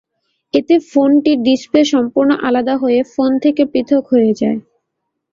এতে ফোনটি ডিসপ্লে সম্পূর্ণ আলাদা হয়ে ফোন থেকে পৃথক হয়ে যায়।